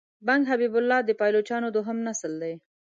بنګ حبیب الله د پایلوچانو دوهم نسل دی.